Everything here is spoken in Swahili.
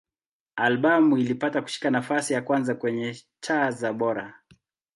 Albamu ilipata kushika nafasi ya kwanza kwenye cha za Bora.